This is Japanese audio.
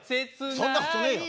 そんな事ねえよ。